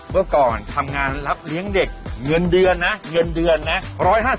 ว่าก่อนทำงานรับเลี้ยงเด็กเงินเดือนนะหรือ๑๕๐บาท